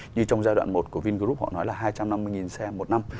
như trong giai đoạn một của vingroup họ nói là hai trăm năm mươi xe một năm